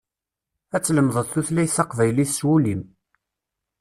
Ad tlemdeḍ tutlayt taqbaylit s wul-im.